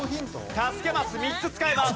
助けマス３つ使えます。